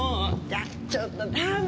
あちょっとダメ。